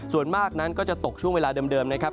ส่วนมากนั้นก็จะตกช่วงเวลาเดิมนะครับ